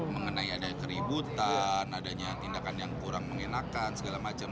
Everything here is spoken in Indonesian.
mengenai ada keributan adanya tindakan yang kurang menyenangkan segala macem